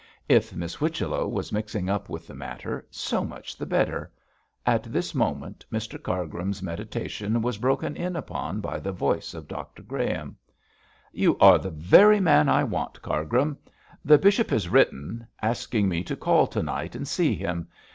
If Miss Whichello was mixed up with the matter, so much the better. At this moment Mr Cargrim's meditation was broken in upon by the voice of Dr Graham. 'You are the very man I want, Cargrim. The bishop has written asking me to call to night and see him.